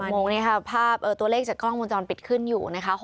โมงนี้ค่ะภาพตัวเลขจากกล้องวงจรปิดขึ้นอยู่นะคะ